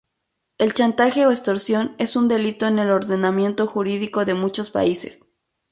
El chantaje o extorsión es un delito en el ordenamiento jurídico de muchos países.